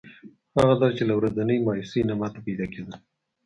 هغه درد چې له ورځنۍ مایوسۍ نه ماته پیدا کېده.